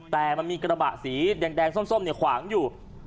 แต่มันมีกระบะสีแดงส้มขวางอยู่